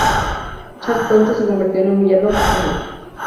Chad pronto se convirtió en un villano recurrente.